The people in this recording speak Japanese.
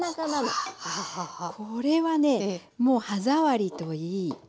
これはねもう歯触りといい。